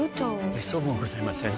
めっそうもございません。